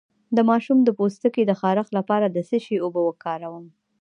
د ماشوم د پوستکي د خارښ لپاره د څه شي اوبه وکاروم؟